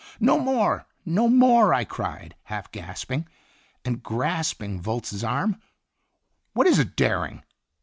"No more, no more!" I cried, half gasping, and grasping Volz's arm. "What is it, Der ing?"